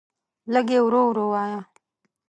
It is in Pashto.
لږ یی ورو ورو وایه